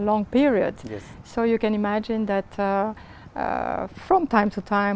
hội đồng nhân dân